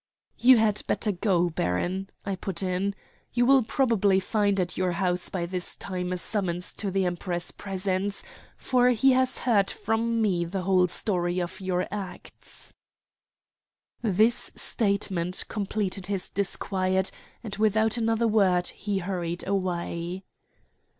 "You had better go, baron," I put in. "You will probably find at your house by this time a summons to the Emperor's presence, for he has heard from me the whole story of your acts." This statement completed his disquiet, and without another word he hurried away.